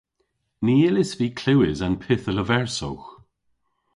Ny yllis vy klewes an pyth a leversowgh.